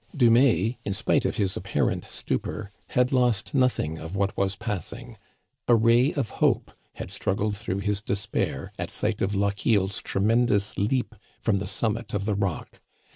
Dumais, in spite of his apparent stupor, had lost nothing of what was passing. A ray of hope had strug gled through his despair at sight of I.ochiel's tremendous leap from the summit of the rock.